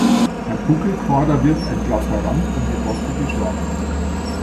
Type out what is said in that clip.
Bei Buckelquader wird ein glatter Rand um die Bosse geschlagen.